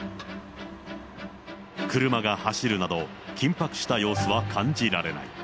車が走るなど、緊迫した様子は感じられない。